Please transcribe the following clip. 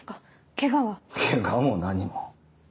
ケガも何も。